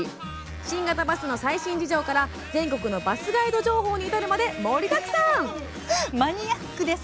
新型バスの最新事情から全国のバスガイド情報に至るまで盛りだくさんです。